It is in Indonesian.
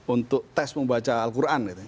untuk tes membaca al quran